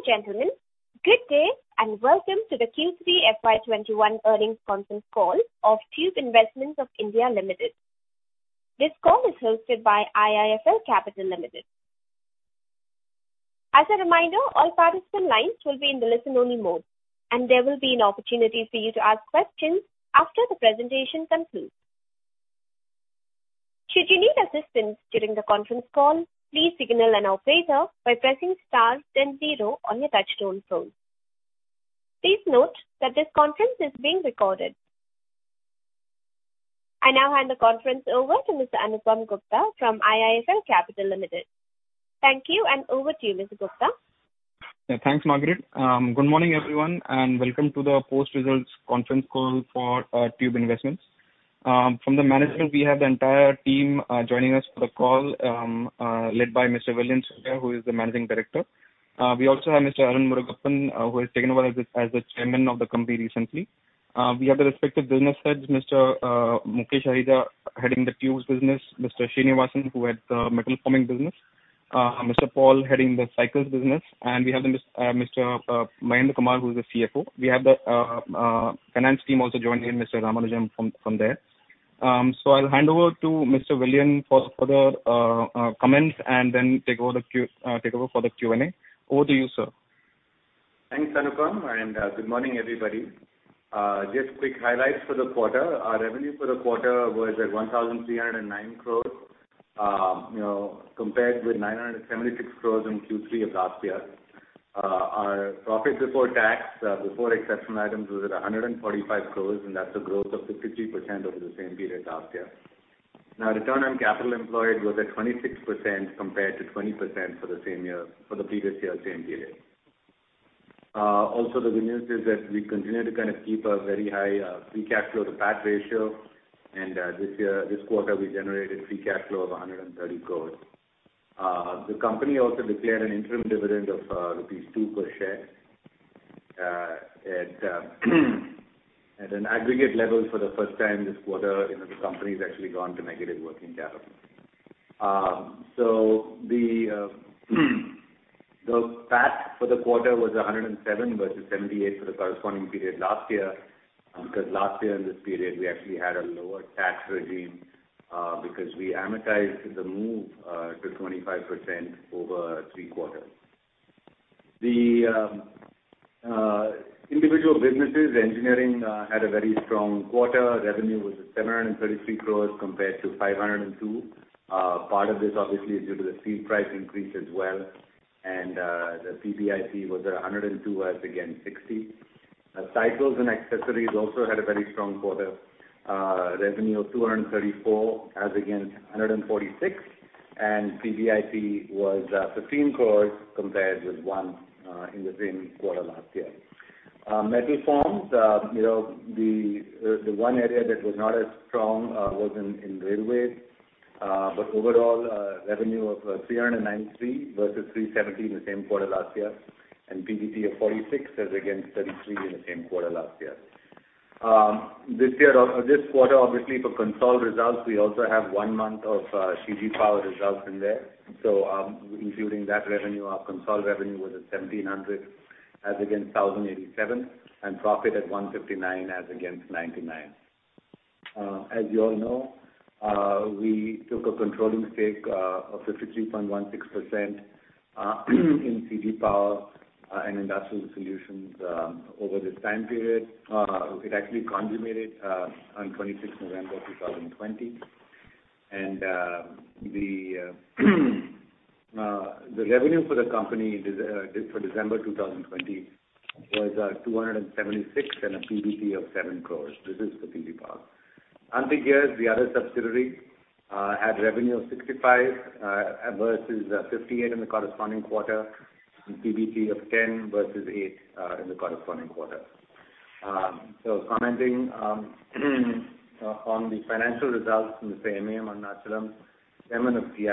Ladies and gentlemen, good day and welcome to the Q3 FY 2021 earnings conference call of Tube Investments of India Limited. This call is hosted by IIFL Capital Limited. As a reminder, all participant lines will be in the listen only mode, and there will be an opportunity for you to ask questions after the presentation concludes. Should you need assistance during the conference call, please signal an operator by pressing star then zero on your touchtone phone. Please note that this conference is being recorded. I now hand the conference over to Mr. Anupam Gupta from IIFL Capital Limited. Thank you. Over to you, Mr. Gupta. Thanks, Margaret. Good morning, everyone, and welcome to the post-results conference call for Tube Investments. From the management, we have the entire team joining us for the call, led by Mr. Vellayan Subbiah, who is the Managing Director. We also have Mr. Arun Murugappan, who has taken over as the Chairman of the company recently. We have the respective business heads, Mr. Mukesh Ahuja, heading the Tubes business, Mr. Srinivasan, who heads the Metal Forming business, Mr. Paul heading the Cycles business, and we have Mr. Mahendra Kumar, who is the CFO. We have the finance team also joining in, Mr. Ramanujam from there. I'll hand over to Mr. Vellayan for the comments and then take over for the Q&A. Over to you, sir. Thanks, Anupam. Good morning, everybody. Just quick highlights for the quarter. Our revenue for the quarter was at 1,309 crores, compared with 976 crores in Q3 of last year. Our profit before tax, before exceptional items, was at 145 crores. That's a growth of 53% over the same period last year. Return on capital employed was at 26% compared to 20% for the previous year same period. The good news is that we continue to kind of keep a very high free cash flow to PAT ratio. This quarter, we generated free cash flow of 130 crores. The company also declared an interim dividend of rupees 2 per share. At an aggregate level for the first time this quarter, the company's actually gone to negative working capital. The PAT for the quarter was 107 crores versus 78 crores for the corresponding period last year. Last year in this period, we actually had a lower tax regime, because we amortized the move to 25% over three quarters. The individual businesses, engineering had a very strong quarter. Revenue was at 733 crores compared to 502. Part of this, obviously, is due to the steel price increase as well. The PBIT was at 102 as against 60. Cycles and accessories also had a very strong quarter. Revenue of 234 as against 146, and PBIT was 15 crores compared with 1 in the same quarter last year. Metal forms, the one area that was not as strong was in railways. Overall, revenue of 393 versus 317 in the same quarter last year, and PBT of 46 as against 33 in the same quarter last year. This quarter, obviously, for consolidated results, we also have one month of CG Power results in there. Including that revenue, our consolidated revenue was at 1,700 as against 1,087, and profit at 159 as against 99. As you all know, we took a controlling stake of 53.16% in CG Power and Industrial Solutions over this time period. It actually consummated on 26th November 2020. The revenue for the company for December 2020 was 276 and a PBT of 7 crores. This is for CG Power. Shanthi Gears, the other subsidiary, had revenue of 65 versus 58 in the corresponding quarter, and PBT of 10 versus 8 in the corresponding quarter. Commenting on the financial results, Mr. M A M Arunachalam, Chairman of TII,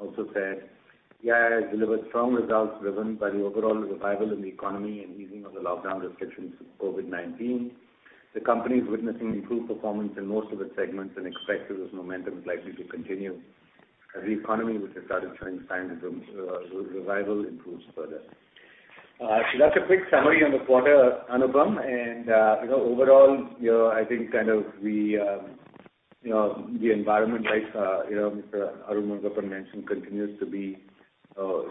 also said TII has delivered strong results driven by the overall revival in the economy and easing of the lockdown restrictions of COVID-19. The company is witnessing improved performance in most of its segments and expects this momentum is likely to continue as the economy, which has started showing signs of revival, improves further. That's a quick summary on the quarter, Anupam, and overall, I think the environment, like Mr. Arun Murugappan mentioned, continues to be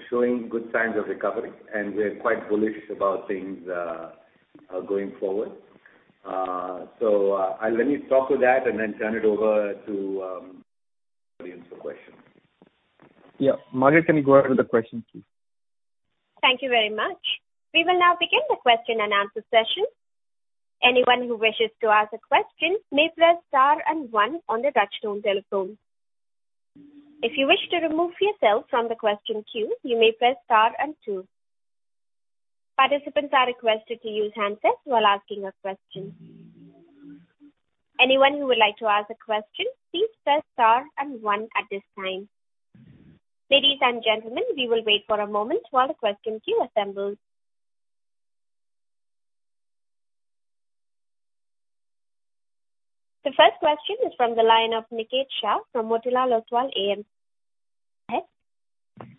showing good signs of recovery, and we're quite bullish about things going forward. Let me stop with that and then turn it over to Anupam for questions. Yeah. Margaret, can you go ahead with the questions, please? Thank you very much. We will now begin the question and answer session. Anyone who wishes to ask a question may press star and one on the touch tone telephone. If you wish to remove yourself from the question queue, you may press star and two. Participants are requested to use handsets while asking a question. Anyone who would like to ask a question, please press star and one at this time. Ladies and gentlemen, we will wait for a moment while the question queue assembles. The first question is from the line of Niket Shah from Motilal Oswal AMC. Go ahead.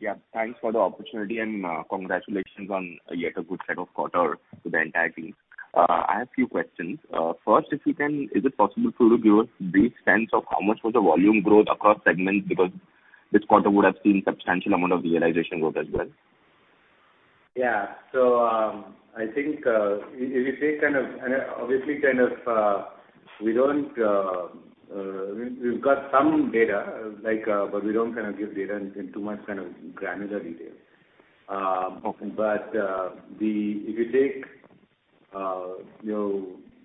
Yeah, thanks for the opportunity and congratulations on yet a good set of quarter to the entire team. I have a few questions. First, if we can, is it possible for you to give us a brief sense of how much was the volume growth across segments, because this quarter would have seen a substantial amount of realization growth as well? Yeah. I think if you take kind of, obviously, we've got some data, but we don't give data in too much granular detail. Okay. If you take,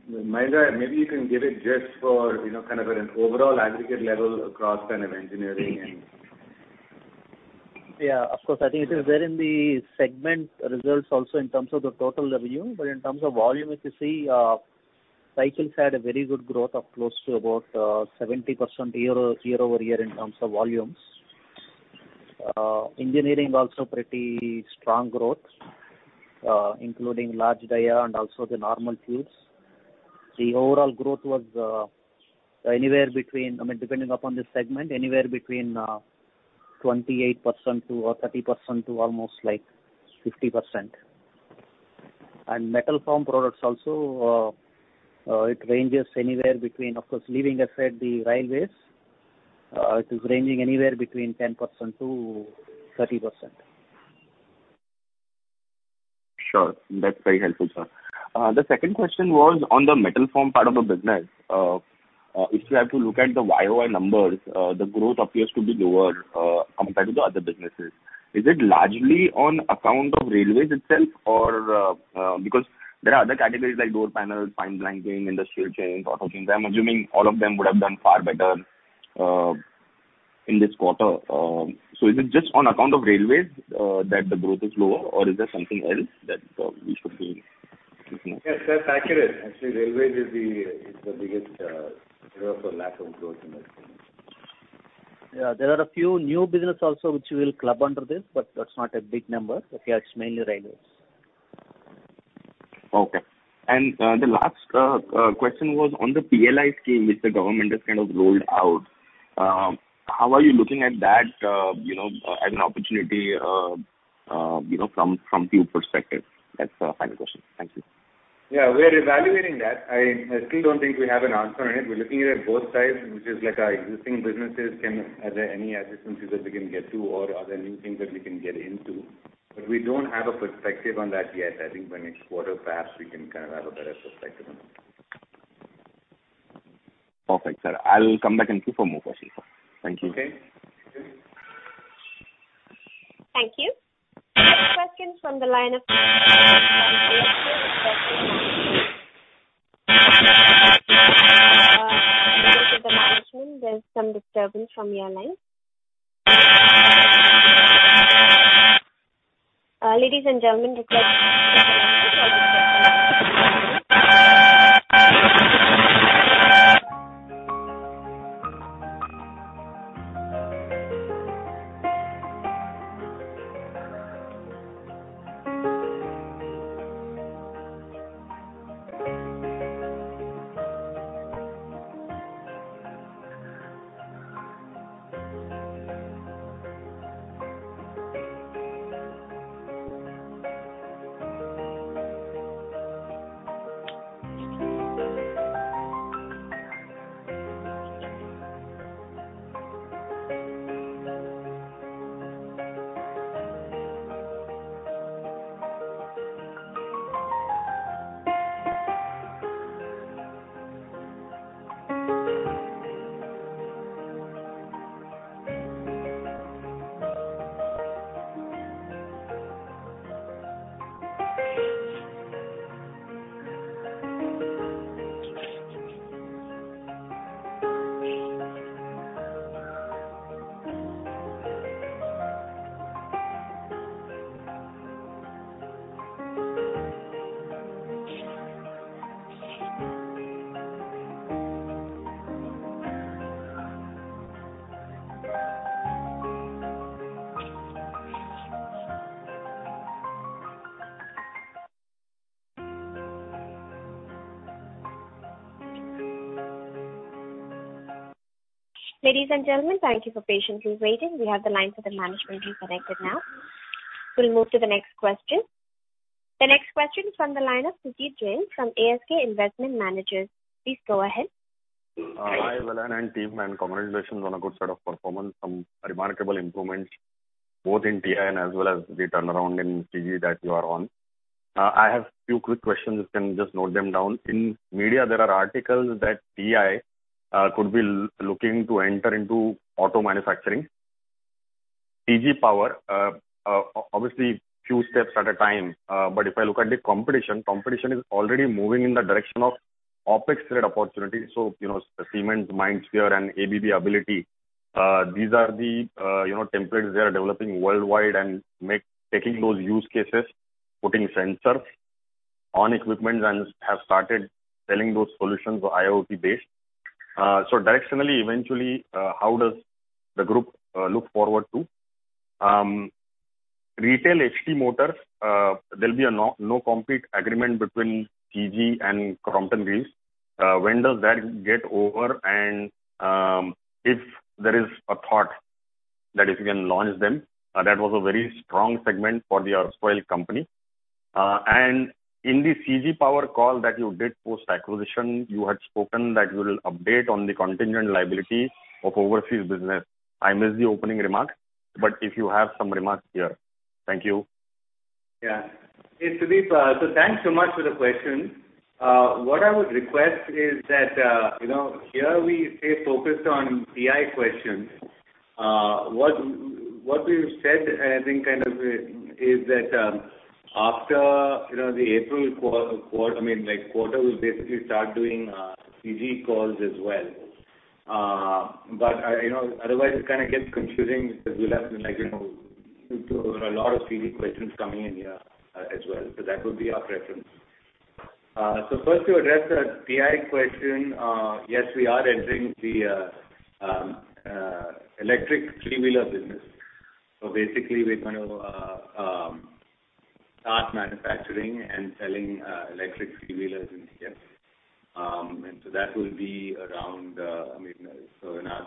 Mahendra, maybe you can give it just for an overall aggregate level across engineering and- Yeah, of course. I think it is there in the segment results also in terms of the total revenue. In terms of volume, if you see, cycles had a very good growth of close to about 70% year-over-year in terms of volumes. Engineering also pretty strong growth, including large dia and also the normal tubes. The overall growth was, depending upon the segment, anywhere between 28%-30% to almost 50%. Metal formed products also, it ranges anywhere between, of course, leaving aside the railways, it is ranging anywhere between 10%-30%. Sure. That's very helpful, sir. The second question was on the metal form part of the business. If you have to look at the YOY numbers, the growth appears to be lower compared to the other businesses. Is it largely on account of railways itself? There are other categories like door panels, fine blanking, industrial chains, auto chains. I'm assuming all of them would have done far better in this quarter. Is it just on account of railways that the growth is low, or is there something else that we should be looking at? Yes, that's accurate. Actually, railways is the biggest driver for lack of growth in that segment. There are a few new business also which we'll club under this, but that's not a big number. It's mainly railways. Okay. The last question was on the PLI scheme, which the government has kind of rolled out. How are you looking at that as an opportunity from Tube perspective? That's the final question. Thank you. Yeah, we're evaluating that. I still don't think we have an answer on it. We're looking it at both sides, which is like our existing businesses, are there any assistances that we can get to or are there new things that we can get into? We don't have a perspective on that yet. I think by next quarter, perhaps we can have a better perspective on that. Perfect, sir. I'll come back in queue for more questions. Thank you. Okay. Thank you. Next question's from the line of the management. There's some disturbance from your line. Ladies and gentlemen. Ladies and gentlemen, thank you for patiently waiting. We have the line for the management re-connected now. We'll move to the next question. The next question is from the line of Sudeep Jain from ASK Investment Managers. Please go ahead. Hi, Vellayan and team, congratulations on a good set of performance. Some remarkable improvements both in TI as well as the turnaround in CG Power that you are on. I have few quick questions. You can just note them down. In media, there are articles that TI could be looking to enter into auto manufacturing. CG Power, obviously few steps at a time, if I look at the competition, competition is already moving in the direction of OpEx-led opportunities. Siemens' MindSphere and ABB Ability, these are the templates they are developing worldwide and taking those use cases, putting sensors on equipment and have started selling those solutions, IoT-based. Directionally, eventually, how does the group look forward to. Retail HT motors, there'll be a no-compete agreement between CG Power and Crompton Greaves. When does that get over? If there is a thought that if you can launch them, that was a very strong segment for the erstwhile company. In the CG Power call that you did post-acquisition, you had spoken that you will update on the contingent liability of overseas business. I missed the opening remarks, but if you have some remarks here. Thank you. Yeah. Hey, Sudeep. Thanks so much for the question. What I would request is that here we stay focused on TI questions. What we've said, I think, is that after the April quarter, we'll basically start doing CG Power calls as well. Otherwise it kind of gets confusing because we'll have a lot of CG Power questions coming in here as well. That would be our preference. First to address the TI question, yes, we are entering the electric three-wheeler business. Basically, we're going to start manufacturing and selling electric three-wheelers in India. That will be around perhaps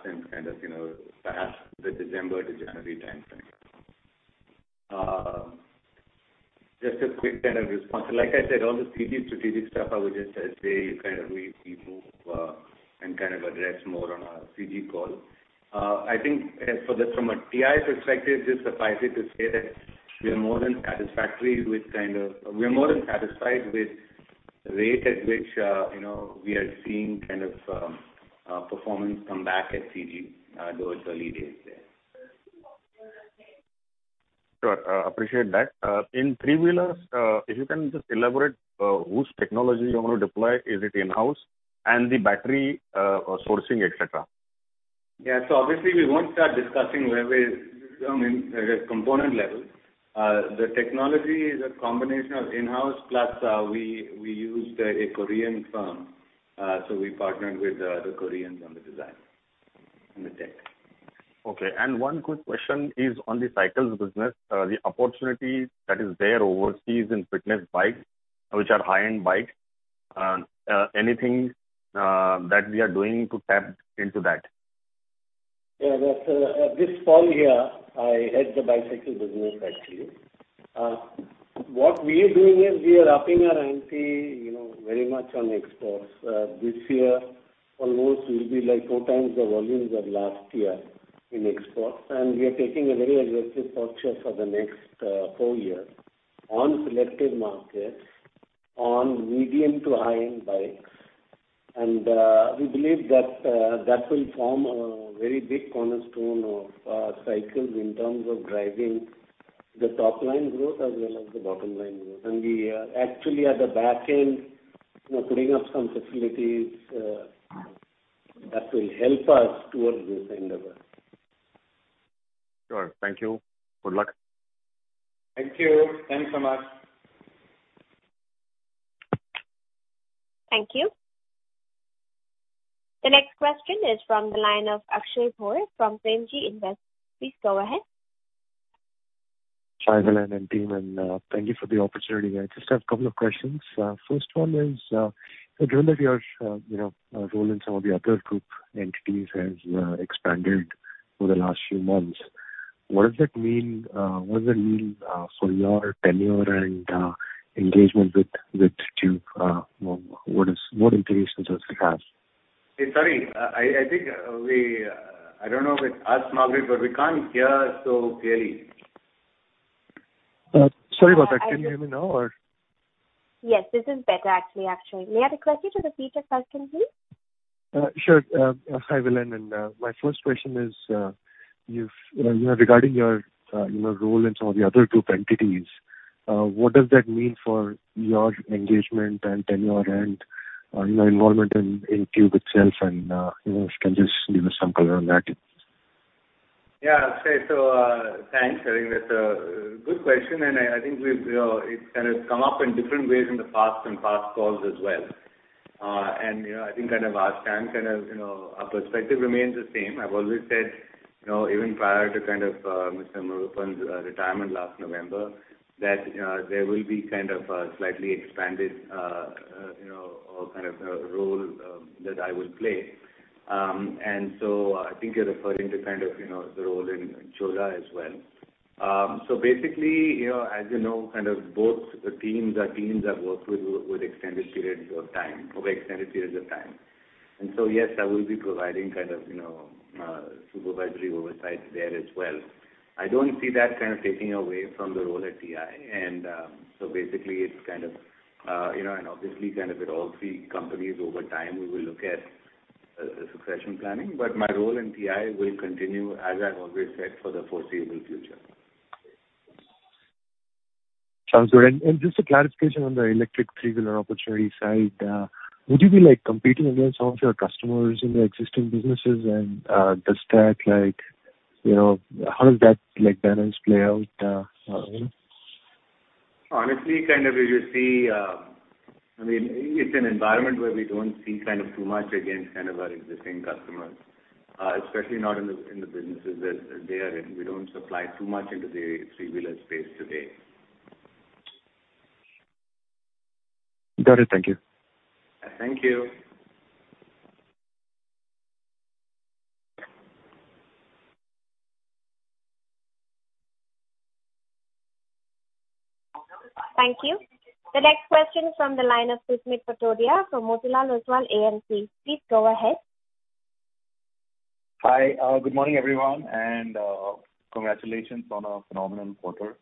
the December to January timeframe. Just a quick kind of response. Like I said, all the CG Power strategic stuff, I would just say we move and address more on our CG Power call. I think from a TI perspective, just suffice it to say that we are more than satisfied with rate at which we are seeing performance come back at CG Power towards early days. Sure. Appreciate that. In three-wheelers, if you can just elaborate whose technology you want to deploy, is it in-house, and the battery sourcing, et cetera? Yeah. Obviously we won't start discussing component level. The technology is a combination of in-house, plus we used a Korean firm. We partnered with the Koreans on the design and the tech. Okay. One quick question is on the cycles business, the opportunity that is there overseas in fitness bikes, which are high-end bikes, anything that we are doing to tap into that? Yeah, this is Paul here, I head the bicycle business actually. What we are doing is we are upping our ante very much on exports. This year, almost will be 2x the volumes of last year in exports. We are taking a very aggressive posture for the next four years on selective markets, on medium to high-end bikes. We believe that will form a very big cornerstone of cycles in terms of driving the top-line growth as well as the bottom-line growth. We are actually at the back end, putting up some facilities that will help us towards this endeavor. Sure. Thank you. Good luck. Thank you. Thanks so much. Thank you. The next question is from the line of Akshay Bhor from Premji Invest. Please go ahead. Hi, Vellayan and team, thank you for the opportunity. I just have a couple of questions. First one is, given that your role in some of the other group entities has expanded over the last few months, what does that mean for your tenure and engagement with Tube? What intentions does it have? Sorry. I don't know if it's us, Margaret, but we can't hear so clearly. Sorry about that. Can you hear me now? Or- Yes, this is better actually, Akshay. May I request you to repeat your question, please? Sure. Hi, Vellayan, my first question is regarding your role in some of the other group entities, what does that mean for your engagement and tenure and your involvement in Tube itself? If you can just give us some color on that. Yeah. Okay. Thanks, Akshay. That's a good question, and I think it's come up in different ways in the past and past calls as well. I think our stance, our perspective remains the same. I've always said, even prior to Mr. Murugappan's retirement last November, that there will be a slightly expanded role that I will play. I think you're referring to the role in Chola as well. Basically, as you know, both the teams are teams I've worked with over extended periods of time. Yes, I will be providing supervisory oversight there as well. I don't see that taking away from the role at TI. Obviously at all three companies over time, we will look at succession planning, but my role in TI will continue, as I've always said, for the foreseeable future. Sounds good. Just a clarification on the electric three-wheeler opportunity side, would you be competing against some of your customers in the existing businesses and how does that balance play out? Honestly, you see, it's an environment where we don't see too much against our existing customers, especially not in the businesses that they are in. We don't supply too much into the three-wheeler space today. Got it. Thank you. Thank you. Thank you. The next question from the line of Susmit Patodia from Motilal Oswal AMC. Please go ahead. Hi. Good morning, everyone. Congratulations on a phenomenal quarter.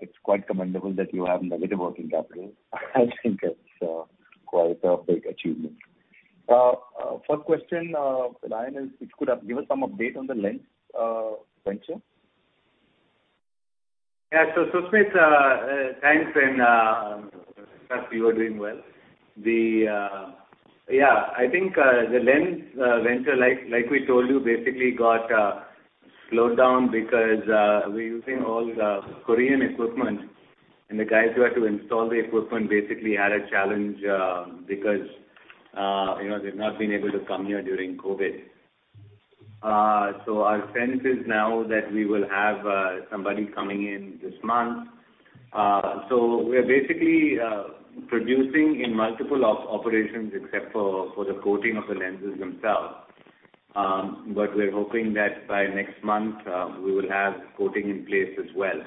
It's quite commendable that you have negative working capital. I think it's quite a big achievement. First question, Vellayan, if you could give us some update on the lens venture. Yeah. Susmit, thanks and trust we are doing well. I think the lens venture, like we told you, basically got slowed down because we're using all the Korean equipment and the guys who had to install the equipment basically had a challenge, because they've not been able to come here during COVID. Our sense is now that we will have somebody coming in this month. We're basically producing in multiple operations except for the coating of the lenses themselves. We're hoping that by next month, we will have coating in place as well.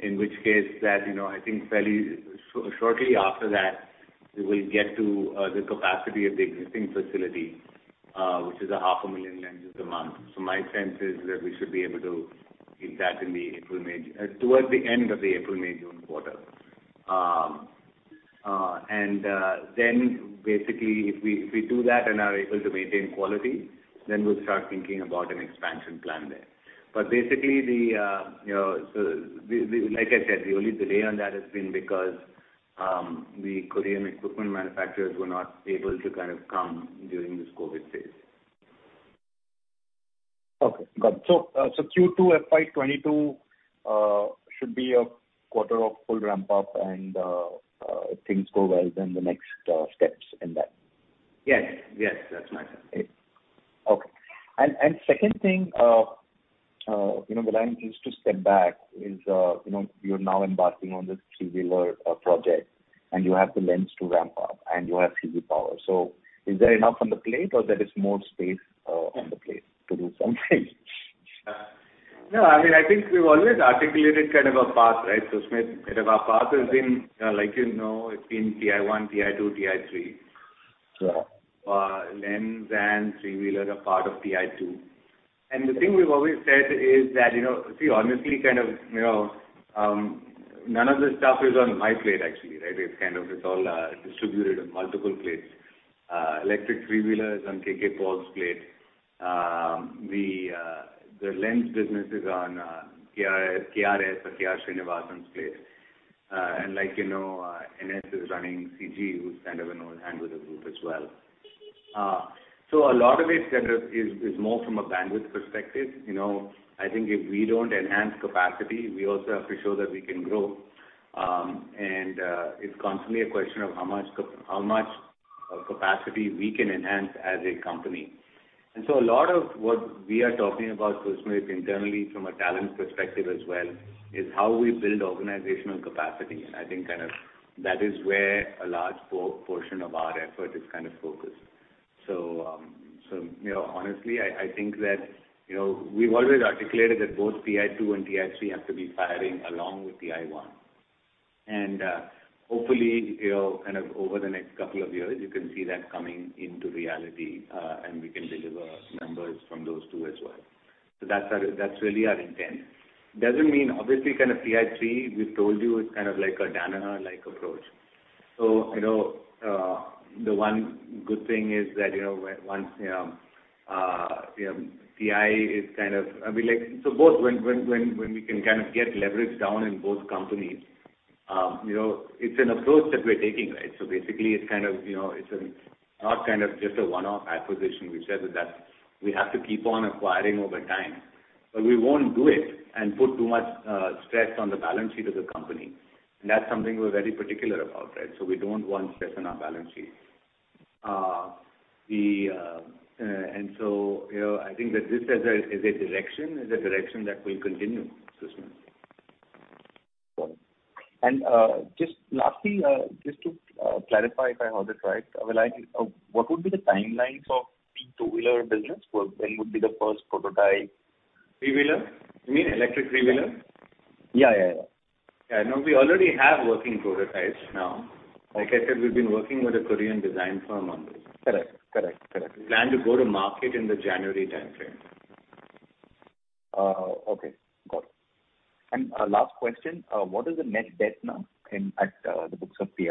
In which case, I think fairly shortly after that, we will get to the capacity of the existing facility, which is a half a million lenses a month. My sense is that we should be able to hit that towards the end of the April, May, June quarter. Basically, if we do that and are able to maintain quality, then we'll start thinking about an expansion plan there. Basically, like I said, the only delay on that has been because the Korean equipment manufacturers were not able to come during this COVID phase. Okay, got it. Q2 FY 2022 should be a quarter of full ramp-up and if things go well, then the next steps in that. Yes, that's my sense. Okay. Second thing, Vellayan, just to step back is, you're now embarking on this three-wheeler project, and you have the lens to ramp up, and you have CG Power. Is that enough on the plate, or there is more space on the plate to do something? No, I think we've always articulated our path, Susmit. Our path has been, like you know, it's been TI-1, TI-2, TI-3. Sure. Lens and three-wheeler are part of TI-2. The thing we've always said is that, honestly, none of this stuff is on my plate actually. It's all distributed on multiple plates. Electric three-wheeler is on KK Paul's plate. The lens business is on KR Srinivasan's plate. Like you know, NS is running CG Power, who's an old hand with the group as well. A lot of it is more from a bandwidth perspective. I think if we don't enhance capacity, we also have to show that we can grow. It's constantly a question of how much capacity we can enhance as a company. A lot of what we are talking about, Susmit, internally from a talent perspective as well, is how we build organizational capacity. I think that is where a large portion of our effort is focused. Honestly, I think that we've always articulated that both TI-2 and TI-3 have to be firing along with TI-1. Hopefully, over the next couple of years, you can see that coming into reality, and we can deliver numbers from those two as well. That's really our intent. Doesn't mean, obviously, TI-3, we've told you, is like a Danaher-like approach. Both when we can get leverage down in both companies, it's an approach that we're taking. Basically, it's not just a one-off acquisition. We said that we have to keep on acquiring over time. We won't do it and put too much stress on the balance sheet of the company. That's something we're very particular about. We don't want stress on our balance sheet. I think that this as a direction, is a direction that will continue, Susmit. Got it. Just lastly, just to clarify if I heard it right, Vellayan, what would be the timelines of the two-wheeler business? When would be the first prototype? Three-wheeler? You mean electric three-wheeler? Yeah. Yeah, no, we already have working prototypes now. Okay. Like I said, we've been working with a Korean design firm on this. Correct. We plan to go to market in the January timeframe. Okay, got it. Last question, what is the net debt now at the books of TI?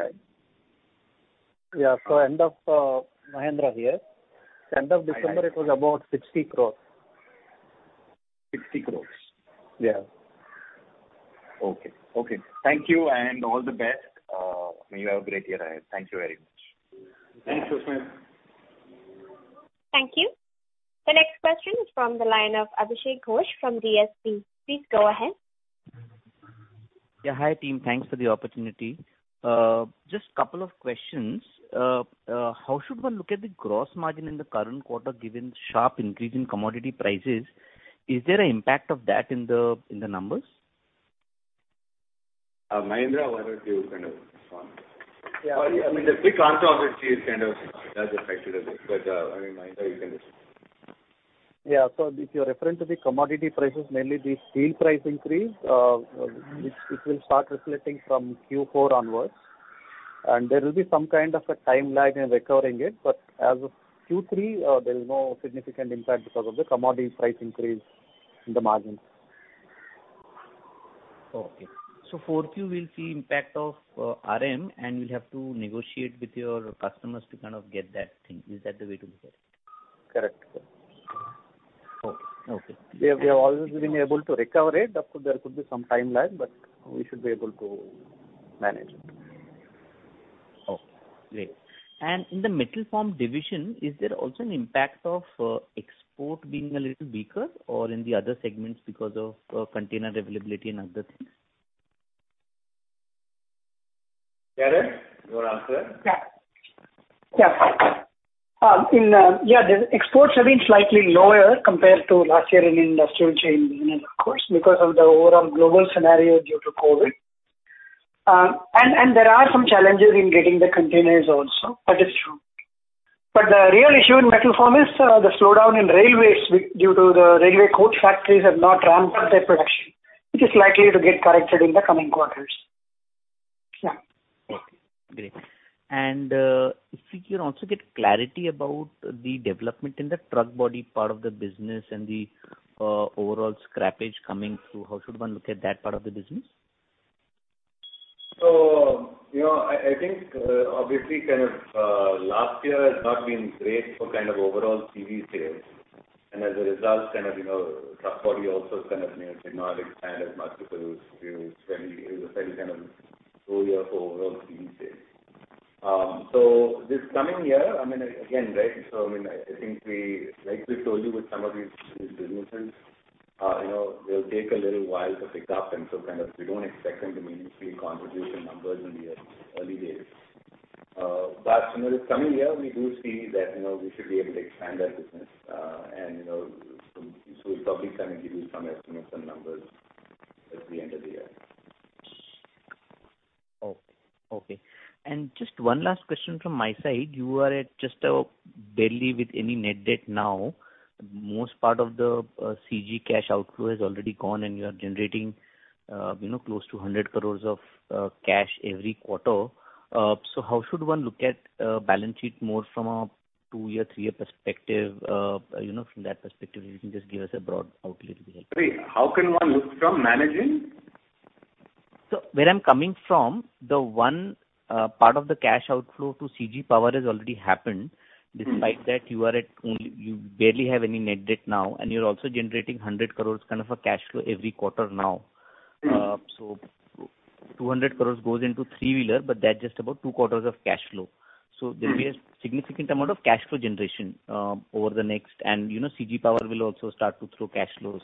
Yeah. End of, Mahendra here. End of December, it was about 60 crores. 60 crores? Yeah. Okay. Thank you. All the best. May you have a great year ahead. Thank you very much. Thanks, Susmit. Thank you. The next question is from the line of Abhishek Ghosh from DSP. Please go ahead. Yeah. Hi, team. Thanks for the opportunity. Just a couple of questions. How should one look at the gross margin in the current quarter given the sharp increase in commodity prices? Is there an impact of that in the numbers? Mahendra, why don't you respond? The quick answer, obviously, is it has affected a bit. Mahendra, you can respond. If you're referring to the commodity prices, mainly the steel price increase, it will start reflecting from Q4 onwards, and there will be some kind of a time lag in recovering it. As of Q3, there is no significant impact because of the commodity price increase in the margins. Okay. So 4Q, we'll see impact of RM, and we'll have to negotiate with your customers to kind of get that thing. Is that the way to look at it? Correct. Okay. We have always been able to recover it. Of course, there could be some time lag, but we should be able to manage it. Okay, great. In the Metal Formed Products Division, is there also an impact of export being a little weaker or in the other segments because of container availability and other things? KR, you want to answer that? Yeah. The exports have been slightly lower compared to last year in the industrial chain, of course, because of the overall global scenario due to COVID. There are some challenges in getting the containers also. That is true. The real issue in metal form is the slowdown in railways due to the railway coach factories have not ramped up their production, which is likely to get corrected in the coming quarters. Yeah. Okay, great. If we can also get clarity about the development in the truck body part of the business and the overall scrappage coming through. How should one look at that part of the business? I think, obviously, last year has not been great for overall CV sales, and as a result, truck body also may have did not expand as much because it was a very slow year for overall CV sales. This coming year, again, I think like we told you with some of these businesses, they'll take a little while to pick up, and so we don't expect them to immediately contribute to the numbers in the early days. Coming year, we do see that we should be able to expand that business, and so we'll probably give you some estimates and numbers at the end of the year. Okay. Just one last question from my side. You are at just barely with any net debt now. Most part of the CG Power cash outflow is already gone, and you are generating close to 100 crores of cash every quarter. How should one look at a balance sheet more from a two-year, three-year perspective? From that perspective, if you can just give us a broad outlook, it'll be helpful. Sorry, how can one look from managing? Where I'm coming from, the one part of the cash outflow to CG Power has already happened. Despite that, you barely have any net debt now, and you're also generating 100 crores kind of a cash flow every quarter now. 200 crores goes into three-wheeler, but that's just about two quarters of cash flow. There will be a significant amount of cash flow generation over the next- CG Power will also start to throw cash flows.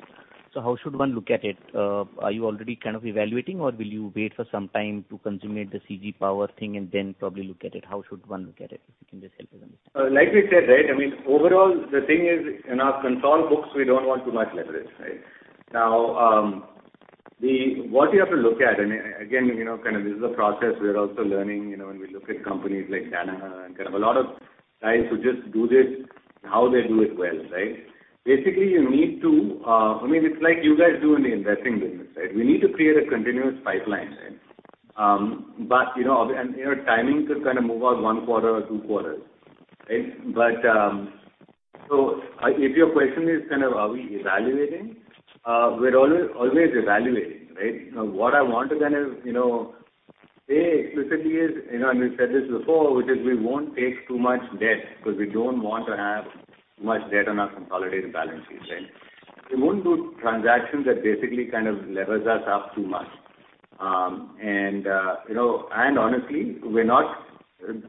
How should one look at it? Are you already kind of evaluating, or will you wait for some time to consummate the CG Power thing and then probably look at it? How should one look at it? If you can just help with understanding. Like we said, overall, the thing is, in our consolidated books, we don't want too much leverage. What you have to look at, this is a process we are also learning. When we look at companies like Danaher and a lot of guys who just do this, how they do it well. Basically, it's like you guys do in the investing business. We need to create a continuous pipeline. Timing could move out one quarter or two quarters. If your question is, are we evaluating? We're always evaluating. What I want to say explicitly is, we've said this before, which is we won't take too much debt because we don't want to have much debt on our consolidated balance sheet. We won't do transactions that basically levers us up too much. Honestly,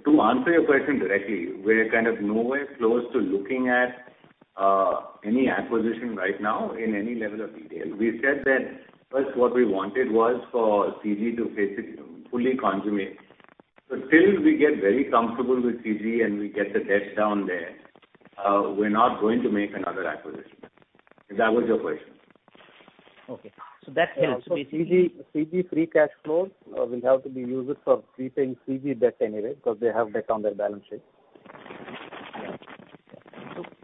to answer your question directly, we're nowhere close to looking at any acquisition right now in any level of detail. We said that first what we wanted was for CG Power to basically fully consummate. Till we get very comfortable with CG Power and we get the debt down there, we're not going to make another acquisition. If that was your question. Okay. That helps- Basically, CG Power free cash flows will have to be used for prepaying CG Power debt anyway because they have debt on their balance sheet. Yeah.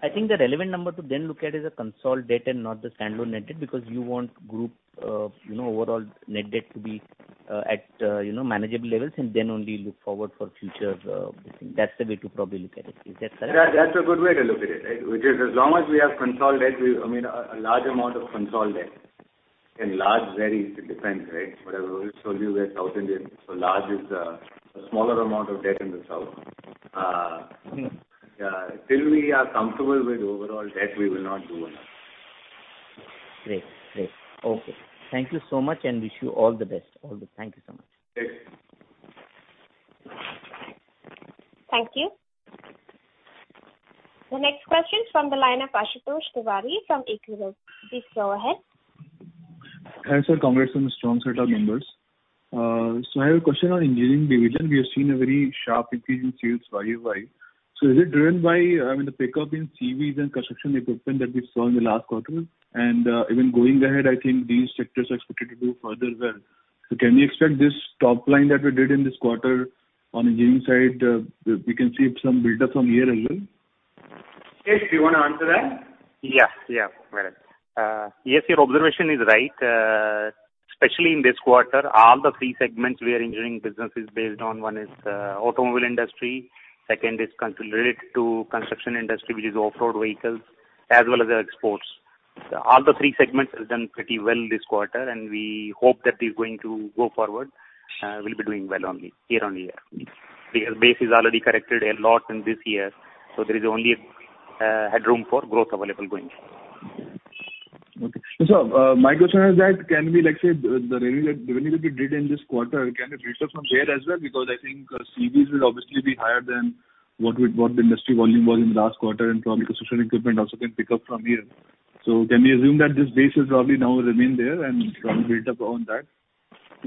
I think the relevant number to then look at is the consolidated debt and not the standalone net debt because you want group overall net debt to be at manageable levels and then only look forward for future. That's the way to probably look at it. Is that correct? That's a good way to look at it. As long as we have a large amount of consolidated debt, and large varies, it depends. What I've always told you, we're South Indian, large is a smaller amount of debt in the South. Till we are comfortable with overall debt, we will not do another. Great. Okay. Thank you so much. Wish you all the best. Thank you so much. Thanks. Thank you. The next question is from the line of Ashutosh Tiwari from Equirus. Please go ahead. Hi, sir. Congrats on the strong set of numbers. I have a question on engineering division. We have seen a very sharp increase in sales YOY. Is it driven by the pickup in CVs and construction equipment that we saw in the last quarter? Even going ahead, I think these sectors are expected to do further well. Can we expect this top line that we did in this quarter, on engineering side, we can see some buildup from here as well? Mukesh, do you want to answer that? Yeah. Well, yes, your observation is right. Especially in this quarter, all the three segments where engineering business is based on, one is automobile industry, second is related to construction industry, which is off-road vehicles, as well as exports. All the three segments has done pretty well this quarter, and we hope that is going to go forward, will be doing well only year-on-year. Base is already corrected a lot in this year, so there is only headroom for growth available going forward. Okay. My question is that can we, let's say, the revenue that we did in this quarter, can it reach up from here as well? I think CVs will obviously be higher than what the industry volume was in the last quarter, and probably construction equipment also can pick up from here. Can we assume that this base will probably now remain there and probably build up on that?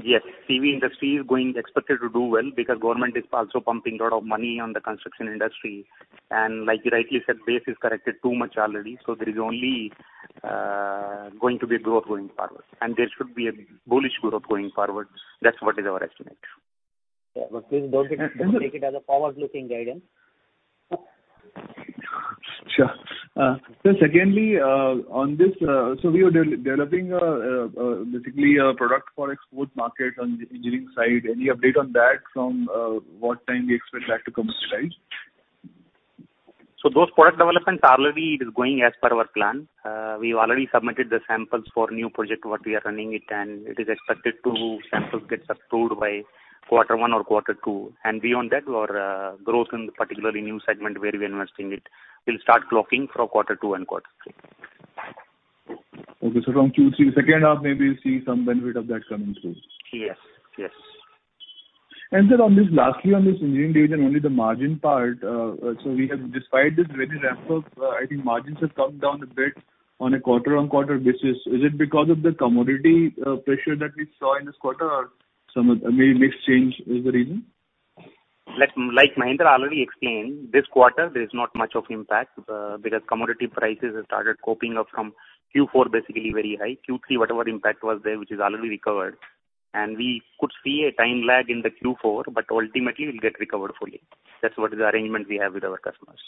Yes. CV industry is expected to do well because government is also pumping a lot of money on the construction industry. Like you rightly said, base is corrected too much already, so there is only going to be growth going forward. There should be a bullish growth going forward. That's what is our estimate. Yeah. Please don't take it as a forward-looking guidance. Sure. Sir, secondly, on this, we are developing basically a product for export market on the engineering side. Any update on that, from what time we expect that to commercialize? Those product developments already is going as per our plan. We've already submitted the samples for new project what we are running it is expected to sample gets approved by quarter one or quarter two. Beyond that, our growth in the particular new segment where we're investing it will start clocking from quarter two and quarter three. Okay. From Q3 second half, maybe we will see some benefit of that coming through. Yes. Sir, lastly on this engineering division, only the margin part. Despite this revenue ramp-up, I think margins have come down a bit on a quarter-on-quarter basis. Is it because of the commodity pressure that we saw in this quarter, or some mix change is the reason? Like Mahendra already explained, this quarter there's not much of impact. Commodity prices have started coping up from Q4 basically very high. Q3, whatever impact was there, which is already recovered. We could see a time lag in the Q4, ultimately will get recovered fully. That's what is the arrangement we have with our customers.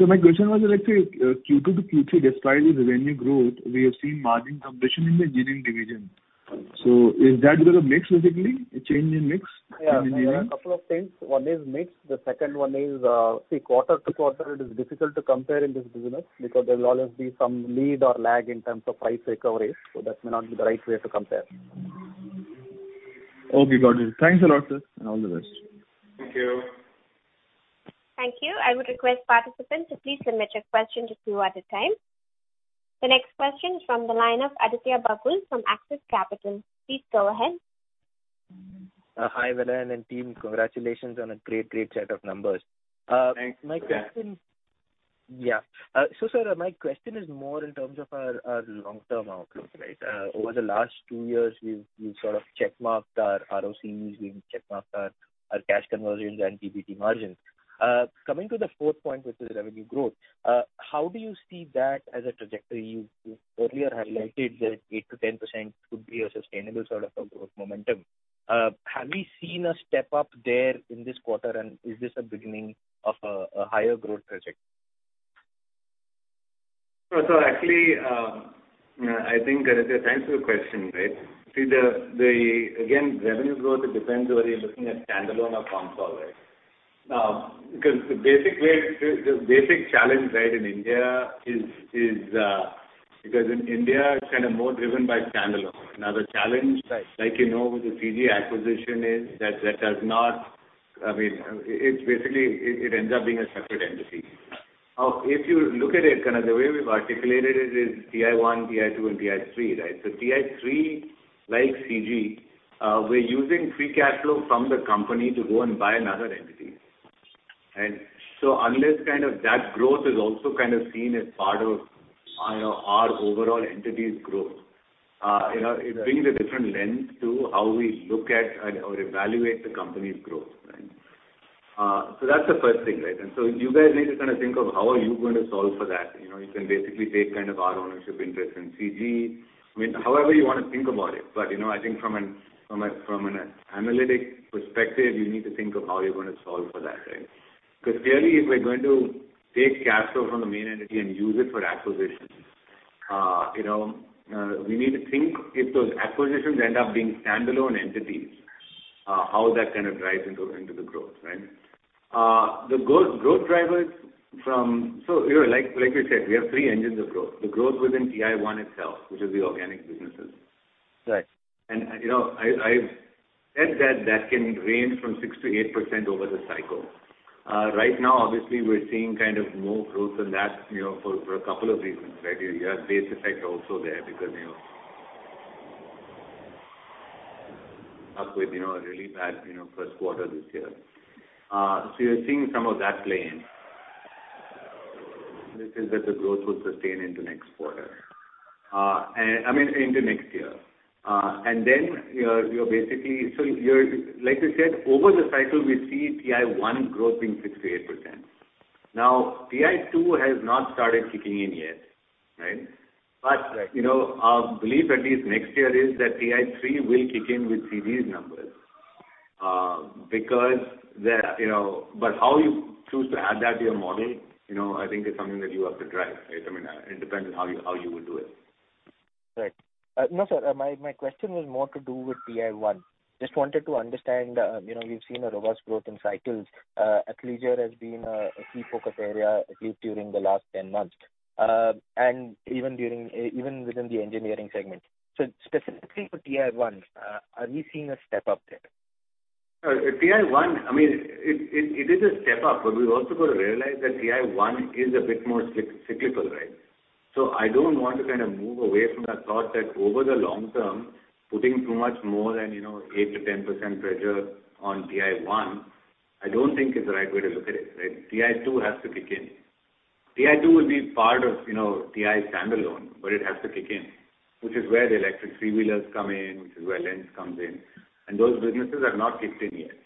My question was, let's say, Q2 to Q3, despite this revenue growth, we have seen margin compression in the engineering division. Is that because of mix, basically, a change in mix in engineering? Yeah. There are a couple of things. One is mix. The second one is, see, quarter to quarter, it is difficult to compare in this business because there will always be some lead or lag in terms of price recovery. That may not be the right way to compare. Okay, got it. Thanks a lot, sir. All the best. Thank you. Thank you. I would request participants to please limit your question to two at a time. The next question is from the line of Aditya Bagul from Axis Capital. Please go ahead. Hi, Vellayan and team. Congratulations on a great set of numbers. Thanks. Sir, my question is more in terms of our long-term outlook, right? Over the last two years, we've sort of checkmarked our ROCEs, we've checkmarked our cash conversions and PBT margins. Coming to the fourth point, which is revenue growth, how do you see that as a trajectory? You earlier highlighted that 8%-10% could be a sustainable sort of a growth momentum. Have we seen a step-up there in this quarter? Is this a beginning of a higher growth trajectory? Actually, I think, Aditya, thanks for the question. Again, revenue growth depends whether you're looking at standalone or consolidated. Because the basic challenge in India is because in India, it's kind of more driven by standalone. The challenge- Right.... like you know with the CG Power acquisition is that, basically it ends up being a separate entity. If you look at it, kind of the way we've articulated it is TI-1, TI-2, and TI-3, right? TI-3, like CG Power, we're using free cash flow from the company to go and buy another entity. Unless that growth is also kind of seen as part of our overall entity's growth, it brings a different lens to how we look at or evaluate the company's growth. That's the first thing. You guys need to kind of think of how are you going to solve for that. You can basically take kind of our ownership interest in CG Power. I mean, however you want to think about it. I think from an analytic perspective, you need to think of how you're going to solve for that, right? Clearly, if we're going to take cash flow from the main entity and use it for acquisitions, we need to think if those acquisitions end up being standalone entities, how that kind of drives into the growth, right? Like you said, we have three engines of growth. The growth within TI-1 itself, which is the organic businesses. Right. I've said that that can range from 6%-8% over the cycle. Right now, obviously, we're seeing kind of more growth than that for a couple of reasons. You have base effect also there up with a really bad first quarter this year. You're seeing some of that play in. We think that the growth will sustain into next year. Like I said, over the cycle, we see TI-1 growing 6%-8%. TI-2 has not started kicking in yet. Right? Right. Our belief, at least next year, is that TI-3 will kick in with serious numbers. How you choose to add that to your model, I think is something that you have to drive. It depends on how you will do it. Right. No, sir. My question was more to do with TI-1. Just wanted to understand, you've seen a robust growth in cycles. Athleisure has been a key focus area, at least during the last 10 months. Even within the engineering segment. Specifically for TI-1, are we seeing a step up there? TI-1, it is a step up, but we've also got to realize that TI-1 is a bit more cyclical, right? I don't want to move away from that thought that over the long term, putting too much more than 8%-10% pressure on TI-1, I don't think is the right way to look at it. TI-2 has to kick in. TI-2 will be part of TI standalone, but it has to kick in, which is where the electric three-wheelers come in, which is where lens comes in, and those businesses have not kicked in yet.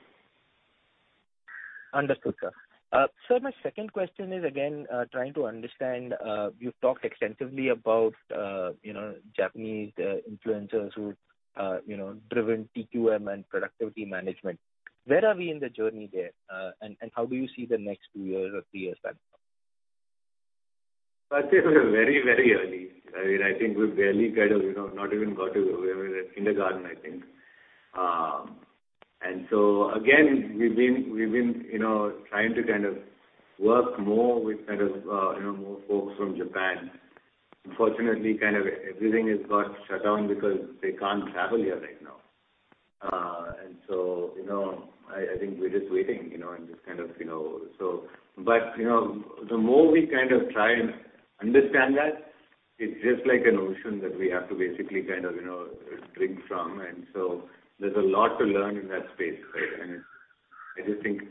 Understood, sir. Sir, my second question is again, trying to understand, you've talked extensively about Japanese influencers who've driven TQM and productivity management. Where are we in the journey there, and how do you see the next two years or three years playing out? I'd say we are very early. I think we've barely, not even got to kindergarten, I think. Again, we've been trying to work more with more folks from Japan. Unfortunately, everything has got shut down because they can't travel here right now. I think we're just waiting. The more we try and understand that, it's just like an ocean that we have to basically drink from. There's a lot to learn in that space. I just think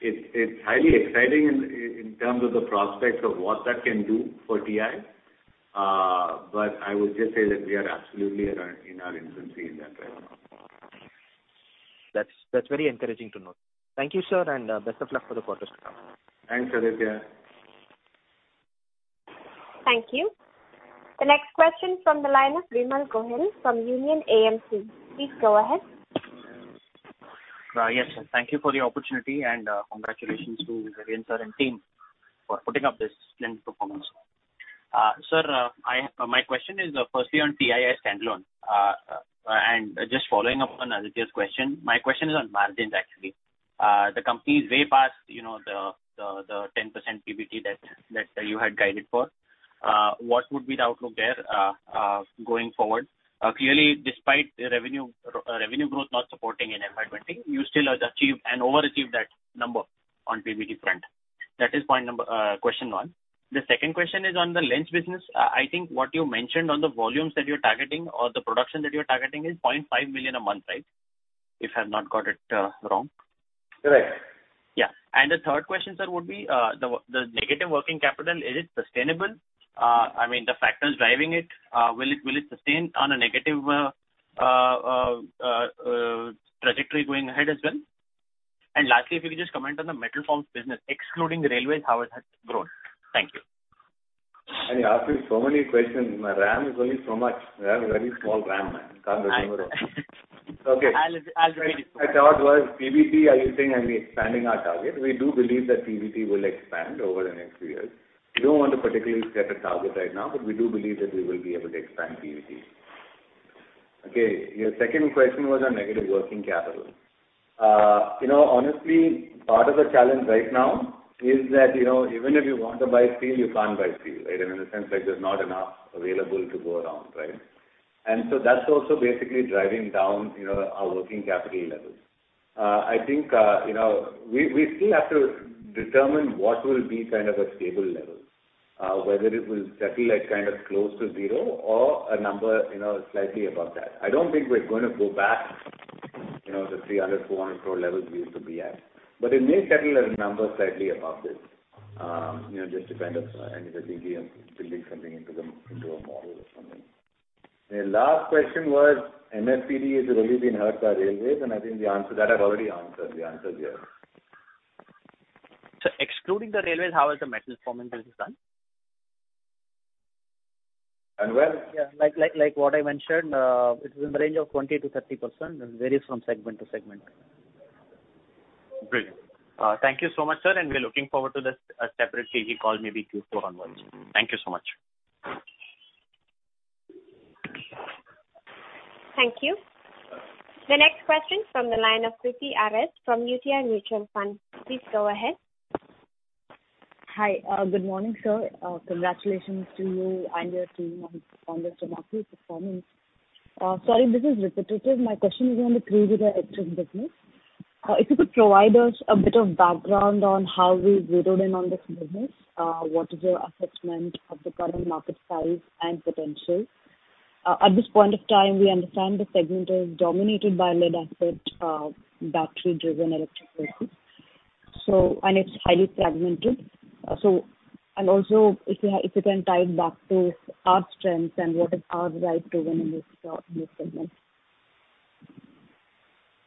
it's highly exciting in terms of the prospects of what that can do for TI. I would just say that we are absolutely in our infancy in that right now. That's very encouraging to know. Thank you, sir, and best of luck for the quarter, sir. Thanks, Aditya. Thank you. The next question from the line of Vimal Gohil from Union AMC. Please go ahead. Yes. Thank you for the opportunity, and congratulations to Vellayan sir and team for putting up this splendid performance. Sir, my question is firstly on TII standalone. Just following up on Aditya's question, my question is on margins, actually. The company is way past the 10% PBT that you had guided for. What would be the outlook there going forward? Clearly, despite revenue growth not supporting in FY 2020, you still achieved and overachieved that number on PBT front. That is question one. The second question is on the lens business. I think what you mentioned on the volumes that you're targeting or the production that you're targeting is 0.5 million a month, right? If I've not got it wrong. Correct. Yeah. The third question, sir, would be, the negative working capital, is it sustainable? The factors driving it, will it sustain on a negative trajectory going ahead as well? Lastly, if you could just comment on the metal forms business, excluding railways, how has that grown? Thank you. You're asking so many questions. My RAM is only so much. I have a very small RAM, man. Can't remember. Okay. I'll repeat. My third was PBT. Are you saying I'm expanding our target? We do believe that PBT will expand over the next few years. We don't want to particularly set a target right now, but we do believe that we will be able to expand PBT. Okay. Your second question was on negative working capital. Honestly, part of the challenge right now is that even if you want to buy steel, you can't buy steel, right? In the sense, there's not enough available to go around. That's also basically driving down our working capital levels. I think we still have to determine what will be a stable level, whether it will settle at close to zero or a number slightly above that. I don't think we're going to go back to the 300 crore, 400 crore levels we used to be at. It may settle at a number slightly above this, just to end up thinking of building something into a model or something. Your last question was, MFPD, has it really been hurt by railways? I think that I've already answered. The answer is yes. Sir, excluding the railways, how has the metal forming business done? And well- Like what I mentioned, it's in the range of 20%-30%, and it varies from segment to segment. Brilliant. Thank you so much, sir. We're looking forward to the separate CG Power call, maybe Q4 onwards. Thank you so much. Thank you. The next question from the line of Preethi RS from UTI Mutual Fund. Please go ahead. Hi. Good morning, sir. Congratulations to you and your team on this remarkable performance. Sorry, this is repetitive. My question is on the three-wheeler electric business. If you could provide us a bit of background on how we zeroed in on this business. What is your assessment of the current market size and potential? At this point of time, we understand the segment is dominated by lead-acid battery-driven electric vehicles, and it's highly fragmented. Also, if you can tie it back to our strengths and what is our ride to winning this segment.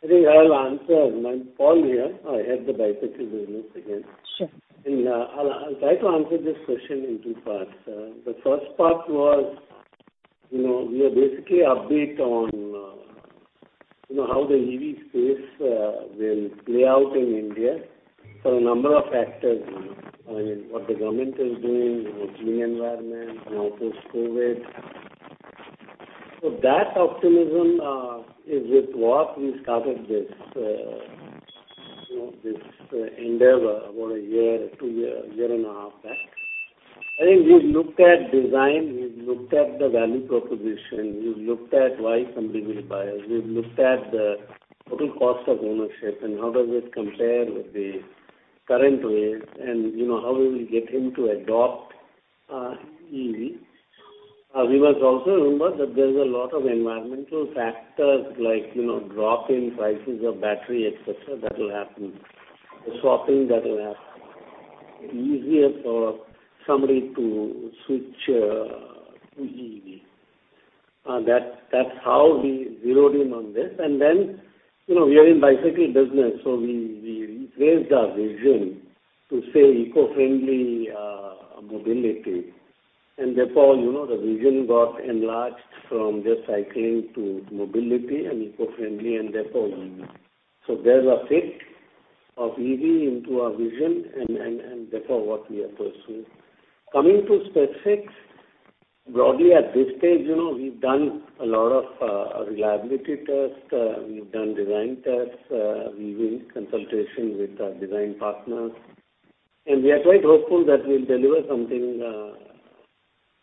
I think I'll answer. Paul here. I head the bicycle business again. Sure. I'll try to answer this question in two parts. The first part was, we are basically update on how the EV space will play out in India for a number of factors. I mean, what the government is doing, clean environment, now post-COVID. That optimism, is with what we started this endeavor about a year, two years, year and a half back. I think we've looked at design, we've looked at the value proposition, we've looked at why somebody will buy us. We've looked at the total cost of ownership and how does it compare with the current ways and how we will get him to adopt EV. We must also remember that there's a lot of environmental factors like drop in prices of battery, et cetera, that will happen. The swapping that will happen. Easier for somebody to switch to EV. That's how we zeroed in on this. We are in bicycle business, so we raised our vision to say eco-friendly mobility. The vision got enlarged from just cycling to mobility and eco-friendly, and therefore EV. There's a fit of EV into our vision and therefore what we are pursuing. Coming to specifics, broadly at this stage, we've done a lot of reliability test, we've done design tests, we're in consultation with our design partners. We are quite hopeful that we'll deliver something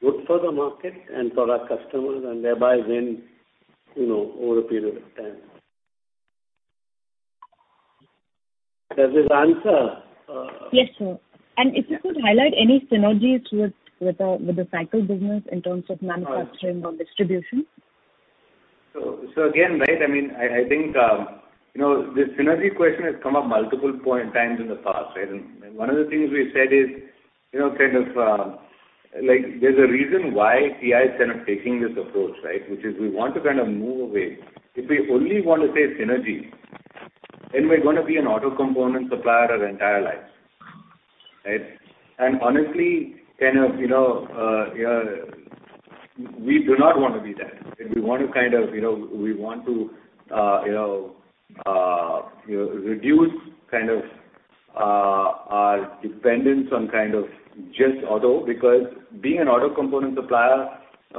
good for the market and for our customers and thereby win over a period of time. Does this answer? Yes, sir. If you could highlight any synergies with the cycle business in terms of manufacturing or distribution? Again, I think this synergy question has come up multiple times in the past. One of the things we've said is, there's a reason why TI is kind of taking this approach. Which is we want to kind of move away. If we only want to say synergy, then we're going to be an auto component supplier our entire lives. Honestly, we do not want to be that. We want to reduce our dependence on just auto because being an auto component supplier,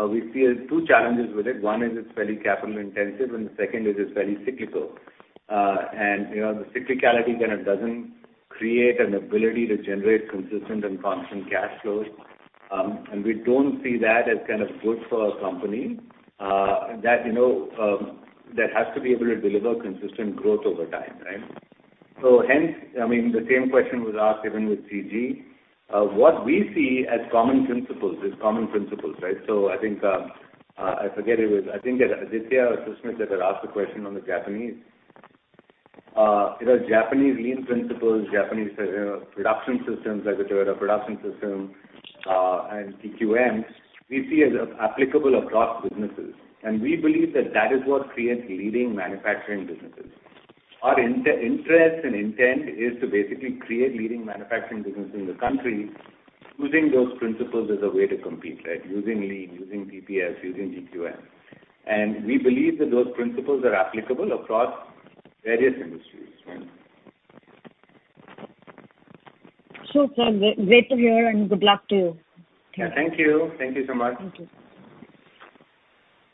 we see two challenges with it. One is it's very capital intensive, and the second is it's very cyclical. The cyclicality doesn't create an ability to generate consistent and constant cash flows. We don't see that as good for our company. That has to be able to deliver consistent growth over time, right? Hence, the same question was asked even with CG Power. What we see as common principles is common principles. I think that Aditya or Susmit that had asked the question on the Japanese lean principles, Japanese production systems like the Toyota Production System, and TQMs, we see as applicable across businesses. We believe that that is what creates leading manufacturing businesses. Our interest and intent is to basically create leading manufacturing business in the country using those principles as a way to compete. Using lean, using TPS, using TQM. We believe that those principles are applicable across various industries. Sure, Paul. Great to hear and good luck to you. Yeah, thank you. Thank you so much. Thank you.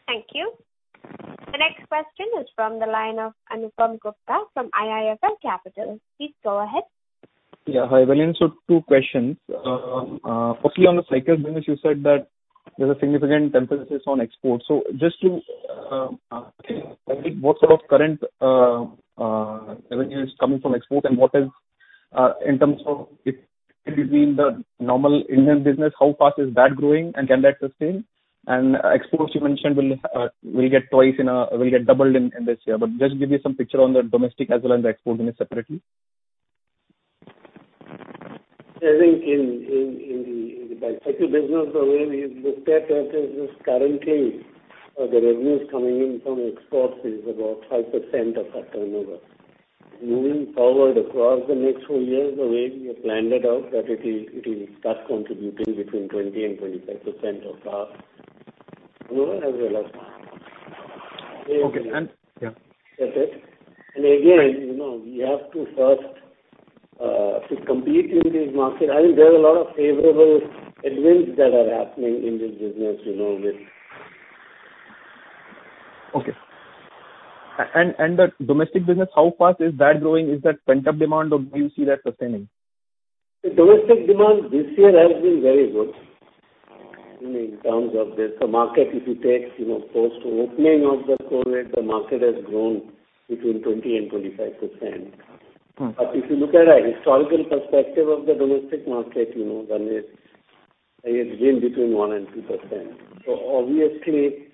Thank you. The next question is from the line of Anupam Gupta from IIFL Capital. Please go ahead. Yeah. Hi. Well, sir, two questions. Firstly, on the cycle business, you said that there's a significant emphasis on export. Just to clarify, what sort of current revenue is coming from export and what is in terms of between the normal Indian business, how fast is that growing and can that sustain? Exports you mentioned will get doubled in this year. Just give me some picture on the domestic as well as the export business separately. I think in the bicycle business, the way we've looked at that is just currently the revenues coming in from exports is about 5% of our turnover. Moving forward across the next four years, the way we have planned it out, that it will start contributing between 20% and 25% of our turnover as a last mile. Okay. That's it. Again, we have to first, to compete in this market, I think there are a lot of favorable headwinds that are happening in this business with- Okay. The domestic business, how fast is that growing? Is that pent-up demand, or do you see that sustaining? The domestic demand this year has been very good. In terms of this market, if you take post opening of the COVID, the market has grown between 20% and 25%. If you look at a historical perspective of the domestic market, it's been between 1% and 2%. Obviously,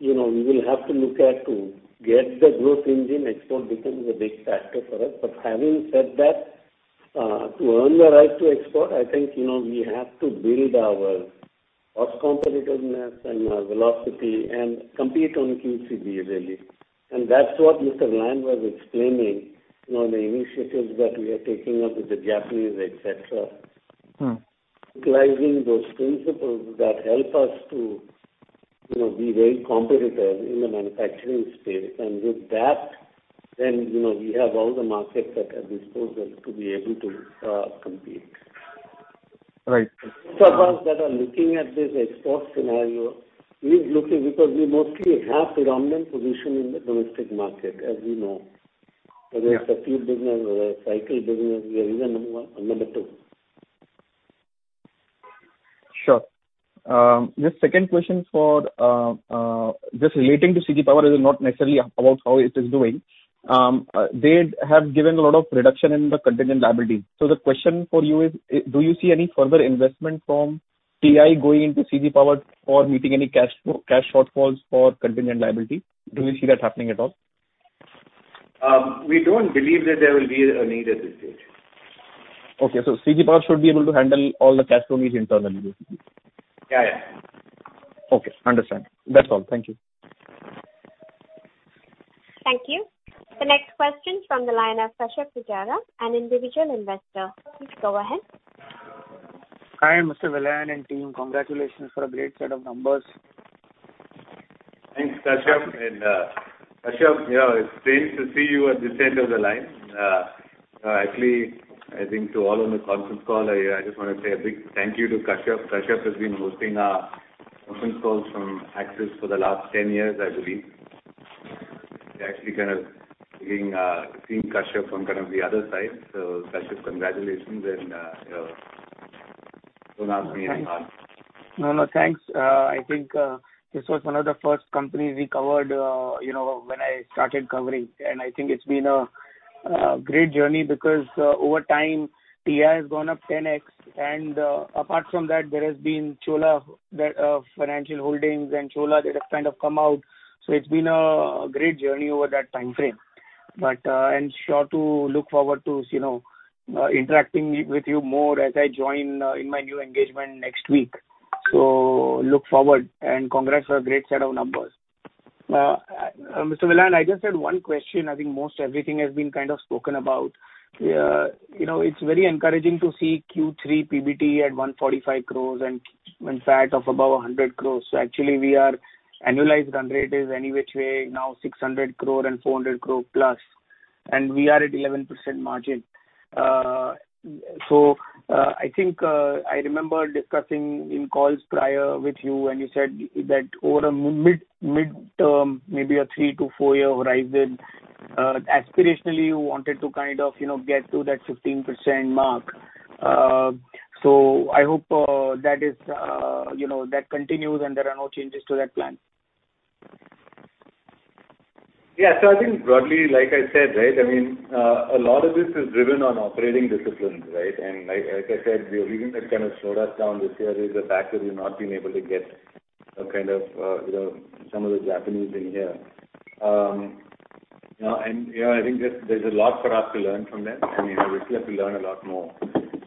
we will have to look at to get the growth engine export becomes a big factor for us. Having said that, to earn the right to export, I think, we have to build our cost competitiveness and our velocity and compete on QCD really. That's what Mr. Vellayan was explaining, the initiatives that we are taking up with the Japanese, et cetera. Utilizing those principles that help us to be very competitive in the manufacturing space. With that, then we have all the markets at our disposal to be able to compete. Right. Most of us that are looking at this export scenario, we're looking because we mostly have predominant position in the domestic market, as you know. Yeah. Whether it's a tube business or a cycle business, we are either number one or number two. Sure. The second question for, just relating to CG Power, this is not necessarily about how it is doing. They have given a lot of reduction in the contingent liability. The question for you is, do you see any further investment from TI going into CG Power for meeting any cash shortfalls for contingent liability? Do you see that happening at all? We don't believe that there will be a need at this stage. Okay, CG Power should be able to handle all the cash flow needs internally, basically. Yeah. Okay. Understand. That's all. Thank you. Thank you. The next question from the line of Kashyap Pujara, an individual investor. Please go ahead. Hi, Mr. Vellayan and team. Congratulations for a great set of numbers. Thanks, Kashyap. Kashyap, it's strange to see you at this end of the line. Actually, I think to all on the conference call, I just want to say a big thank you to Kashyap. Kashyap has been hosting our conference calls from Axis for the last 10 years, I believe. We're actually kind of seeing Kashyap from the other side. Kashyap, congratulations, and don't ask me any hard- No, thanks. I think this was one of the first companies we covered when I started covering. I think it's been a great journey because over time, TI has gone up 10x. Apart from that, there has been Cholamandalam Financial Holdings and Chola that has kind of come out. It's been a great journey over that timeframe. I'm sure to look forward to interacting with you more as I join in my new engagement next week. Look forward and congrats for a great set of numbers. Mr. Vellayan, I just had one question. I think most everything has been kind of spoken about. It's very encouraging to see Q3 PBT at 145 crore and in fact of above 100 crore. Actually we are annualized run rate is any which way now 600 crore and 400 crore plus, and we are at 11% margin. I think I remember discussing in calls prior with you, and you said that over a mid-term, maybe a three to four-year horizon, aspirationally, you wanted to get to that 15% mark. I hope that continues and there are no changes to that plan. Yeah. I think broadly, like I said, right, a lot of this is driven on operating disciplines, right? Like I said, the reason that kind of slowed us down this year is the fact that we've not been able to get some of the Japanese in here. I think there's a lot for us to learn from them, and we still have to learn a lot more.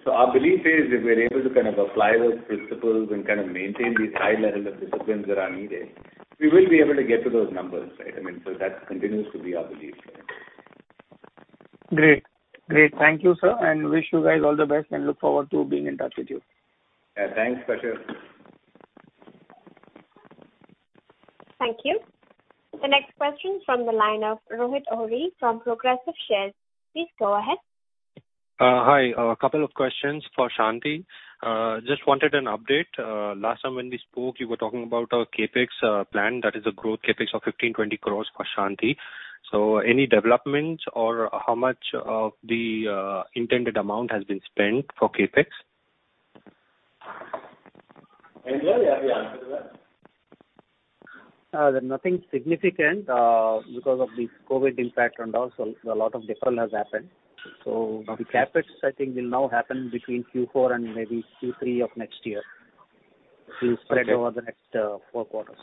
Our belief is if we're able to apply those principles and maintain these high levels of disciplines that are needed, we will be able to get to those numbers, right? That continues to be our belief here. Great. Thank you, sir, and wish you guys all the best, and look forward to being in touch with you. Yeah. Thanks, Kashyap. Thank you. The next question is from the line of Rohit Ohri from Progressive Shares. Please go ahead. Hi. A couple of questions for Shanthi. Just wanted an update. Last time when we spoke, you were talking about a CapEx plan that is a growth CapEx of 15 crores, 20 crores for Shanthi. Any developments or how much of the intended amount has been spent for CapEx? Mahendra, you have the answer to that? There's nothing significant because of this COVID impact and also a lot of deferral has happened. The CapEx I think will now happen between Q4 and maybe Q3 of next year. It will spread over the next four quarters.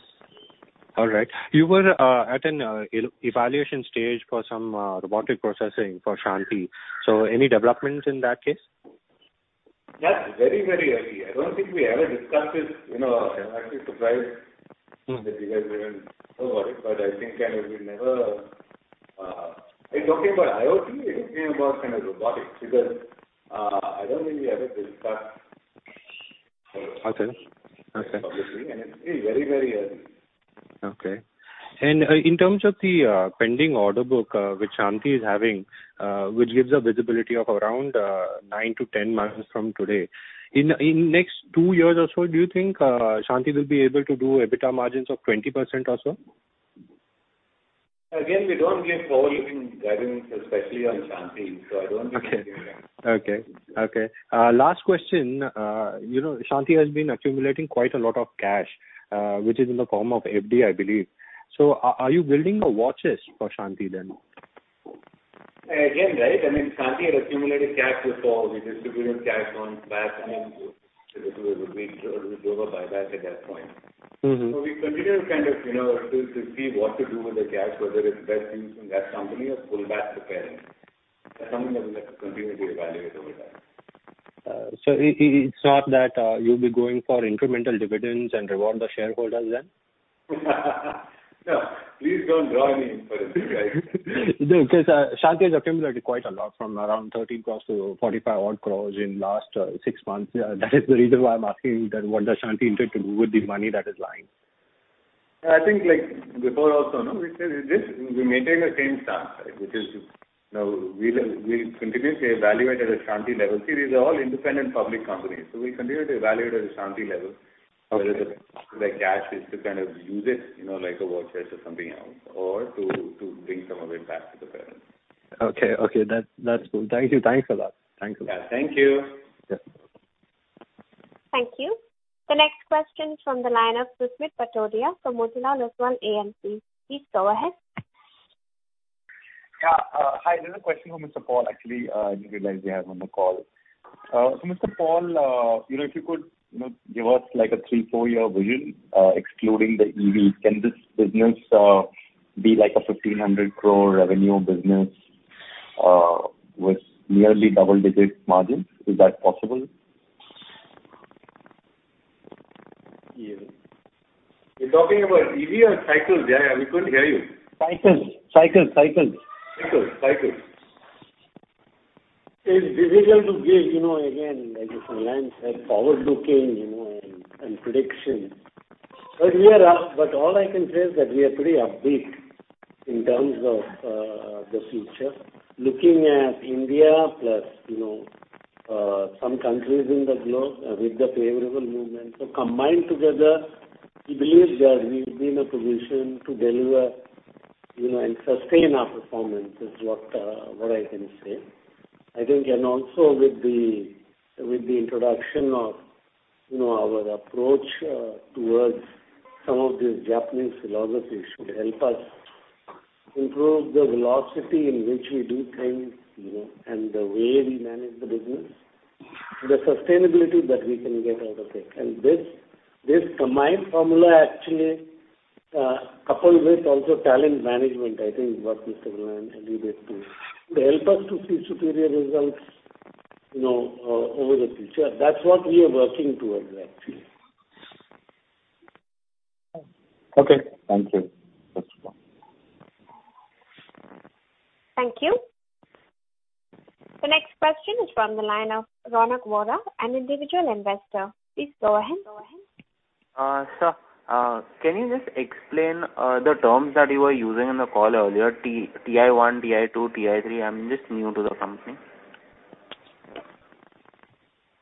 All right. You were at an evaluation stage for some robotic processing for Shanthi. Any developments in that case? That's very early. I don't think we ever discussed this. I'm actually surprised that you guys even know about it. Are you talking about IoT or are you talking about kind of robotics? Okay.... publicly, and it's still very early. Okay. In terms of the pending order book which Shanthi is having which gives a visibility of around 9-10 months from today. In next two years or so, do you think Shanthi will be able to do EBITDA margins of 20% or so? Again, we don't give forward-looking guidance, especially on Shanthi. I don't want to give you that. Okay. Last question. Shanthi has been accumulating quite a lot of cash, which is in the form of FD, I believe. Are you building a war chest for Shanthi then? Right, Shanthi had accumulated cash before. We distributed cash once back, and it was a big drove of buyback at that point. We continue to kind of still to see what to do with the cash, whether it's best used in that company or pull back to parent. That's something that we'll have to continually evaluate over time. It's not that you'll be going for incremental dividends and reward the shareholders then? No. Please don't draw any inference, guys. No, because Shanthi has accumulated quite a lot, from around 13 crores to 45 odd crores in last six months. That is the reason why I am asking that what does Shanthi intend to do with the money that is lying. I think, like before also, no, we maintain the same stance, which is we continuously evaluate it at Shanthi level. See, these are all independent public companies, so we continue to evaluate at a Shanthi level. Okay. Whether the cash is to kind of use it, like a war chest or something else or to bring some of it back to the parent. Okay. That's cool. Thank you. Thanks a lot. Yeah. Thank you. Yes. Thank you. The next question is from the line of Susmit Patodia from Motilal Oswal AMC. Please go ahead. Yeah. Hi. There's a question for Mr. Paul, actually. I didn't realize he was on the call. Mr. Paul, if you could give us a three, four-year vision, excluding the EV. Can this business be like an 1,500 crore revenue business with nearly double-digit margins? Is that possible? You're talking about EV or cycles? We couldn't hear you. Cycles. Cycles. It's difficult to give, again, like Mr. Vellayan said, forward-looking and prediction. All I can say is that we are pretty upbeat in terms of the future. Looking at India plus some countries in the globe with the favorable movement. Combined together, we believe that we're in a position to deliver and sustain our performance is what I can say. I think, also with the introduction of our approach towards some of these Japanese philosophies should help us improve the velocity in which we do things and the way we manage the business, the sustainability that we can get out of it. This combined formula actually, coupled with also talent management, I think is what Mr. Vellayan alluded to. It will help us to see superior results over the future. That's what we are working towards, actually. Okay. Thank you. Thanks. Thank you. The next question is from the line of Ronak Vora, an individual investor. Please go ahead. Sir, can you just explain the terms that you were using in the call earlier, TI-1, TI-2, TI-3? I'm just new to the company.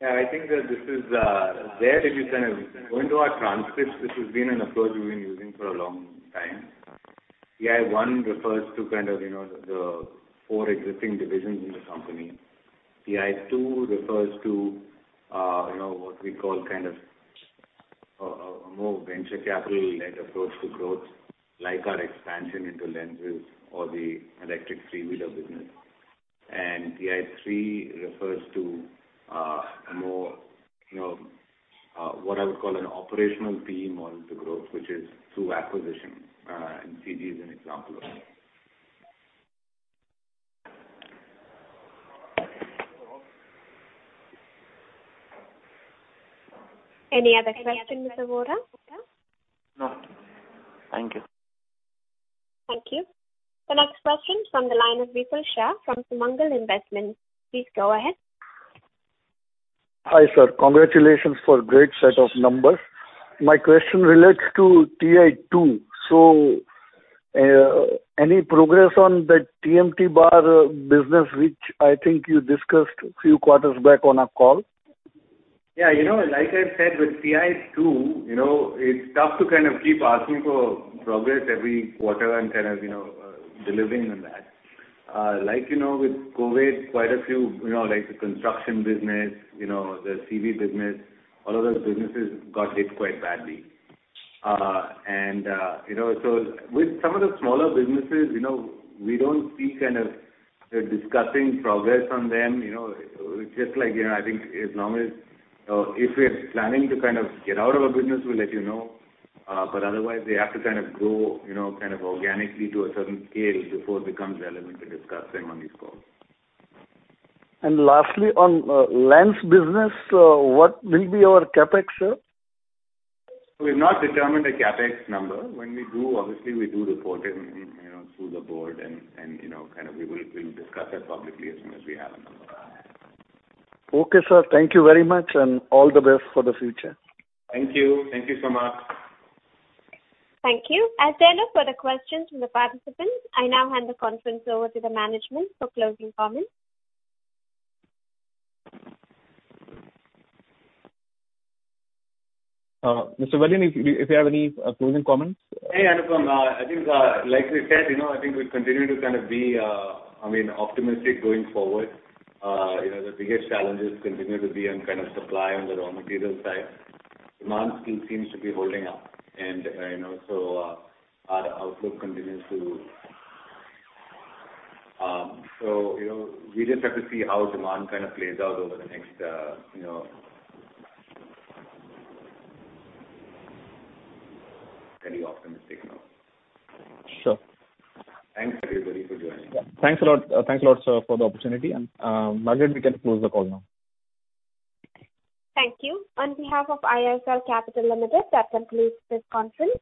I think that there, if you kind of go into our transcripts, this has been an approach we've been using for a long time. TI-1 refers to kind of the four existing divisions in the company. TI-2 refers to what we call a more venture capital-led approach to growth, like our expansion into lenses or the electric three-wheeler business. TI-3 refers to what I would call an operational PE model to growth, which is through acquisition, and CG Power is an example of that. Any other questions, Mr. Vora? No. Thank you. Thank you. The next question is from the line of Vipul Shah from Sumangal Investments. Please go ahead. Hi, sir. Congratulations for great set of numbers. My question relates to TI-2. Any progress on that TMT bar business, which I think you discussed a few quarters back on a call? Yeah. Like I said with TI-2, it's tough to kind of keep asking for progress every quarter and kind of delivering on that. Like with COVID, quite a few, like the construction business, the CV business, all of those businesses got hit quite badly. With some of the smaller businesses, we don't see kind of discussing progress on them. I think as long as, if we're planning to kind of get out of a business, we'll let you know. Otherwise, they have to kind of grow organically to a certain scale before it becomes relevant to discuss them on these calls. Lastly, on lens business, what will be your CapEx, sir? We've not determined a CapEx number. When we do, obviously, we do report it through the board and, we will discuss that publicly as soon as we have a number. Okay, sir. Thank you very much, and all the best for the future. Thank you. Thank you so much. Thank you. As there are no further questions from the participants, I now hand the conference over to the management for closing comments. Mr. Vellayan, if you have any closing comments. Hey, Anupam. Like we said, I think we continue to kind of be optimistic going forward. The biggest challenges continue to be on kind of supply on the raw material side. Demand still seems to be holding up. We just have to see how demand kind of plays out over the next- very optimistic note. Sure. Thanks, everybody, for joining. Yeah. Thanks a lot, sir, for the opportunity. Margaret, we can close the call now. Thank you. On behalf of IIFL Capital Limited, that concludes this conference.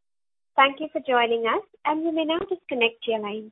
Thank you for joining us, and you may now disconnect your lines.